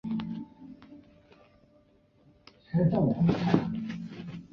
文嬴以母亲的身分说服晋襄公释放三将归秦。